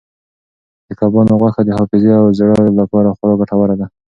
د کبانو غوښه د حافظې او زړه لپاره خورا ګټوره ده.